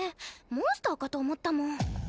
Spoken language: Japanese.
モンスターかと思ったもん。